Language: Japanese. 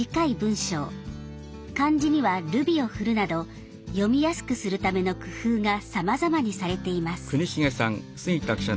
漢字にはルビを振るなど読みやすくするための工夫がさまざまにされています。